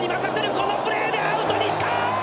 このプレーでアウトにした！！